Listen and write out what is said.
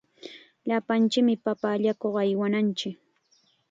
Llapanchikmi papa allakuq aywananchik.